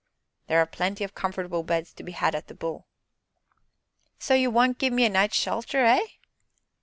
"There are plenty of comfortable beds to be had at 'The Bull.'" "So you won't gi'e me a night's shelter, eh?"